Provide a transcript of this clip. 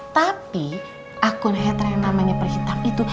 tapi akun hater yang namanya perhitap itu